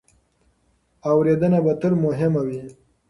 اورېدنه به تل مهمه وي.